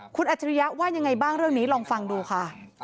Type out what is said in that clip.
คุณอัจฉริยะว่ายังไงบ้างเรื่องนี้ลองฟังดูค่ะ